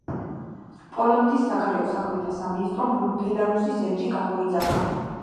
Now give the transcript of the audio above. პოლონეთის საგარეო საქმეთა სამინისტრომ ბელარუსის ელჩი გამოიძახა.